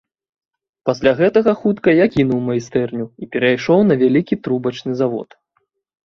Пасля гэтага хутка я кінуў майстэрню і перайшоў на вялікі трубачны завод.